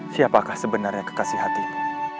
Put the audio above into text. siapakah sebenarnya kekasih hatimu